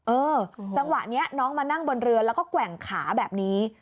เออจังหวะนี้น้องมานั่งบนเรือแล้วก็แกว่งขาแบบนี้